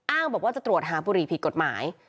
บอกว่าจะตรวจหาบุหรี่ผิดกฎหมาย